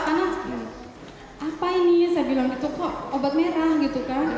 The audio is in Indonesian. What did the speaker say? karena apa ini saya bilang kok obat merah gitu kan